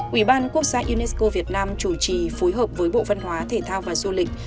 ủy ban quốc gia unesco việt nam chủ trì phối hợp với bộ văn hóa thể thao và du lịch